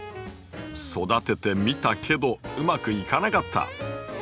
「育ててみたけどうまくいかなかった」。